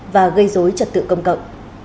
và gây dối trật tự công cận